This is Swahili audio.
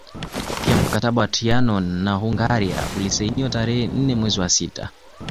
Pia mkataba wa Trianon na Hungaria uliosainiwa tarehe nne mwezi wa sita